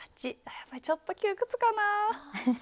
やっぱりちょっと窮屈かなぁ？